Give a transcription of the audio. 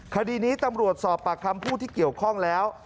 คดีนี้ตำรวจสอบปากคำผู้ที่เกี่ยวข้องแล้ว